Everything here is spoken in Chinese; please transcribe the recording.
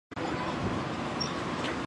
阿曼蛙蟾鱼的图片